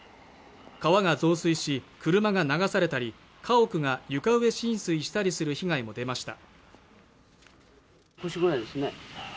川が増水し車が流されたり家屋が床上浸水したりする被害も出ました